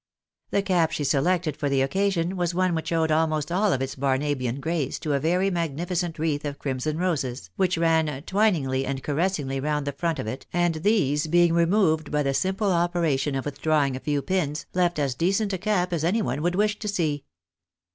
The cap she selected for the occasion was one which owed almost all its Barnabian grace to a very magnificent wreath of crimson roses, which ran twiningly and caressingly round the front of it, and these being removed by the simple operation of with drawing a few pins, left as decent a cap as any one would wish to see.